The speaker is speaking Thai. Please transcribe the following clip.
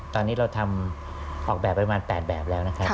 ตอนนี้เราทำออกแบบประมาณ๘แบบแล้วนะครับ